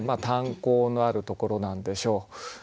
炭鉱のあるところなんでしょう。